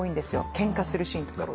ケンカするシーンとか。